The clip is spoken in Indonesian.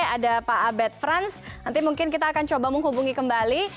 ada pak abed franz nanti mungkin kita akan coba menghubungi kembali